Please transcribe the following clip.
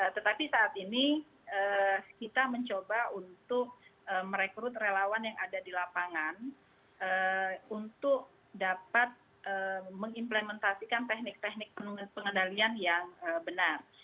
tetapi saat ini kita mencoba untuk merekrut relawan yang ada di lapangan untuk dapat mengimplementasikan teknik teknik pengendalian yang benar